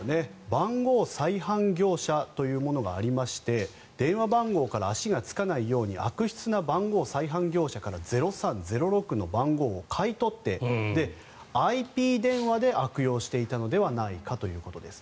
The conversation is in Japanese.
番号再販業者というものがありまして電話番号から足がつかないように悪質な番号再販業者から「０３」「０６」の番号を買い取ってＩＰ電話で悪用していたのではないかということです。